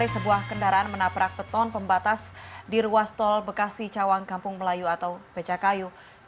sebuah kendaraan menabrak beton pembatas di ruas tol bekasi cawang kampung melayu atau becakayu